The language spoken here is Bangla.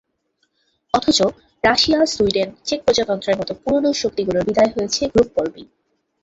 অথচ রাশিয়া, সুইডেন, চেক প্রজাতন্ত্রের মতো পুরোনো শক্তিগুলোর বিদায় হয়েছে গ্রুপ পর্বেই।